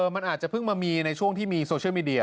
มันอาจจะเพิ่งมามีในช่วงที่มีโซเชียลมีเดีย